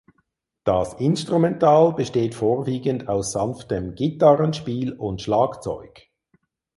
Das Instrumental besteht vorwiegend aus sanftem Gitarrenspiel und Schlagzeug.